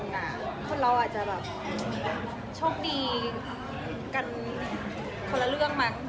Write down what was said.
คนเราอาจจะแบบโชคดีกันคนละเรื่องมั้ง